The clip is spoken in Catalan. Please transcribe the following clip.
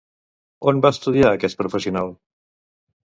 On va estudiar aquest professional?